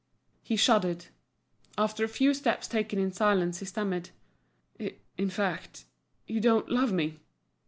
He shuddered. After a few steps taken in silence, he stammered: "In fact, you don't love me?"